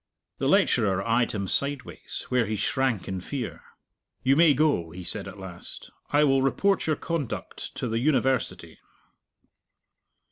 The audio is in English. The lecturer eyed him sideways where he shrank in fear. "You may go," he said at last. "I will report your conduct to the University."